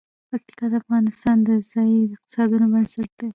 پکتیا د افغانستان د ځایي اقتصادونو بنسټ دی.